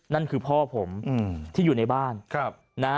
นั่นคือพ่อผมที่อยู่ในบ้านนะ